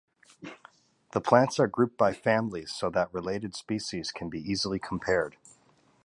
The plants are grouped by families so that related species can be easily compared.